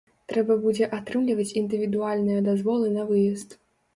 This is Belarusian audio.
Трэба будзе атрымліваць індывідуальныя дазволы на выезд.